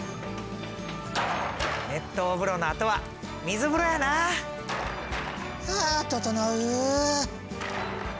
熱湯風呂のあとは水風呂やな！はあ整う！